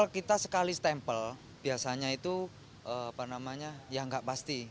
kalau kita sekali stempel biasanya itu apa namanya ya nggak pasti